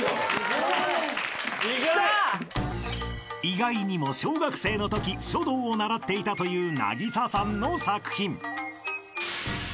［意外にも小学生のとき書道を習っていたという渚さんの作品］